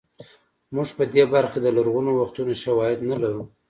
موږ په دې برخه کې د لرغونو وختونو شواهد نه لرو